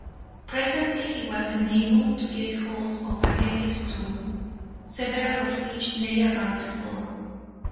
Presently he was enabled to get hold of a heavy stool, several of which lay about the floor.